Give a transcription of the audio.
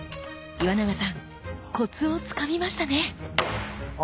岩永さんコツをつかみましたね！